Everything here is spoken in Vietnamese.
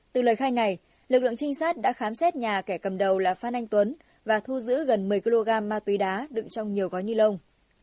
từ lời khai này lực lượng trinh sát đã khám xét nhà kẻ cầm đầu là phan anh tuấn và thu giữ gần một mươi kg ma túy đá đựng trong nhiều gói ni lông